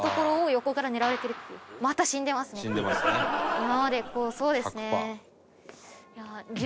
今までそうですね。